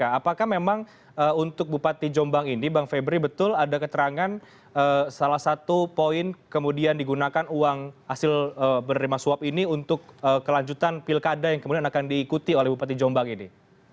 apakah memang untuk bupati jombang ini bang febri betul ada keterangan salah satu poin kemudian digunakan uang hasil menerima suap ini untuk kelanjutan pilkada yang kemudian akan diikuti oleh bupati jombang ini